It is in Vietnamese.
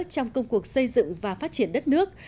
trong công cuộc xây dựng và phát triển đất nước